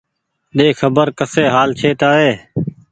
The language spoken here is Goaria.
ۮي خبر ڪسي حآل ڇي تآري